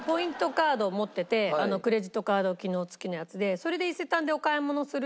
カード持っててクレジットカード機能つきのやつで。